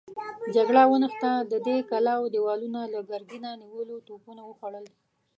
جګړه ونښته، د دې کلاوو دېوالونه له ګرګينه نيولو توپونو وخوړل.